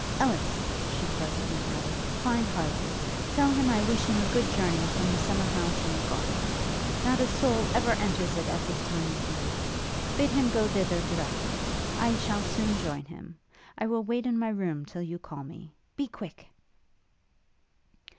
'Ellis,' she presently added, 'find Harleigh; tell him I wish him a good journey from the summer house in the garden. Not a soul ever enters it at this time of the year. Bid him go thither directly. I shall soon join him. I will wait in my room till you call me. Be quick!'